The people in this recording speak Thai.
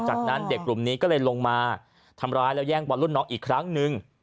จากนั้นเด็กกลุ่มนี้ก็เลยลงมาทำร้ายแล้วแย่งบอลรุ่นน้องอีกครั้งหนึ่ง